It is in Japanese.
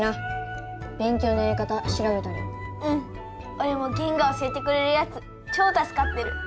オレもゲンが教えてくれるやつ超助かってる！